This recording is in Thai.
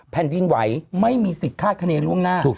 แผ่นดินไหวไม่มีสิทธิ์คาดคณีล่วงหน้า